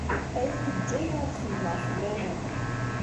Aya yeǧǧa-iyi ad xemmemeɣ fell-awent.